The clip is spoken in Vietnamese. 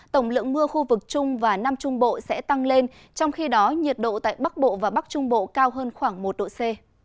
tổng lượng mưa khu vực trung và nam trung bộ sẽ tăng lên trong khi đó nhiệt độ tại bắc bộ và bắc trung bộ cao hơn khoảng một độ c